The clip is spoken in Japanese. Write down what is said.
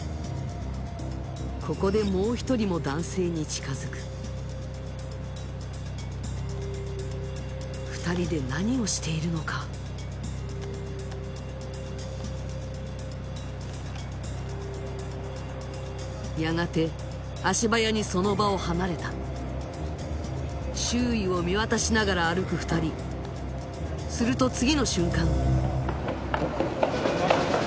ここでもう一人も男性に近づく２人で何をしているのかやがて足早にその場を離れた周囲を見渡しながら歩く２人すると次の瞬間